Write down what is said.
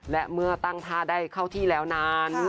และเมื่อตั้งท่าได้เข้าที่แล้วนั้น